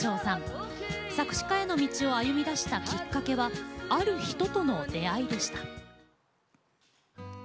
作詞家への道を歩みだしたきっかけはある人との出会いでした。